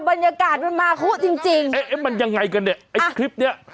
บรรยากาศมันมาคุจริงจริงเอ๊ะมันยังไงกันเนี่ยไอ้คลิปเนี้ย